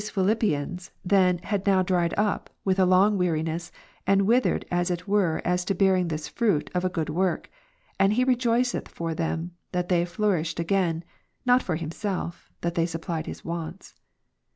305 Philippians then had now dried up, with a long weariness, and withered as it were as to bearing this fruit of a good work; and he rejoiceth for them, that they flourished again, not for himself, that they supplied his wants.